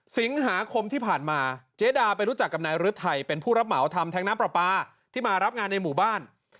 สิงหาคมที่ผ่านมาเจ๊ดาไปรู้จักกับนายฤทัยเป็นผู้รับเหมาทำแท้งน้ำปลาปลาที่มารับงานในหมู่บ้าน